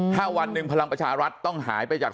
ถ้าวันหนึ่งพลังประชารัฐต้องหายไปจาก